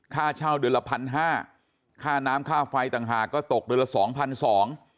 ค่าเช่าเดือนละพันห้าค่าน้ำค่าไฟต่างหากก็ตกเดือนละสองพันสอง